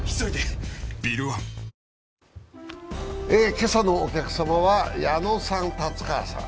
今朝のお客様は矢野さん、達川さん。